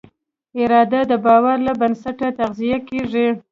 اراده د باور له بنسټه تغذیه کېږي.